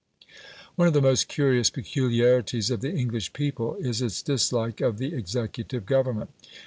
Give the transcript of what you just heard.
One of the most curious peculiarities of the English people is its dislike of the executive government.